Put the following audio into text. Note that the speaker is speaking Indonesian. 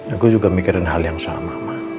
aku juga mikirin hal yang sama